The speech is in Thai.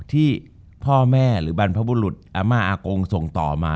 ที่พ่อแม่หรือบรรพบุรุษอาม่าอากงส่งต่อมา